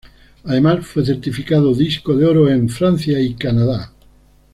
Además, fue certificado disco de oro en Francia y Canadá.